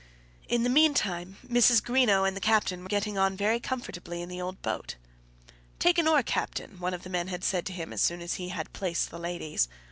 In the mean time Mrs. Greenow and the captain were getting on very comfortably in the other boat. "Take an oar, Captain," one of the men had said to him as soon as he had placed the ladies.